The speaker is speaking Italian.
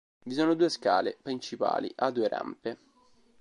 Vi sono due scale principali a due rampe.